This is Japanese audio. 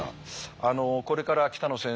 あのこれから北野先生